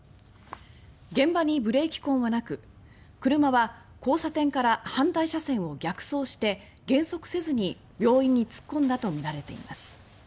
現場にブレーキ痕はなく車は交差点から反対車線を逆走して減速せずに病院に突っ込んだとみられています。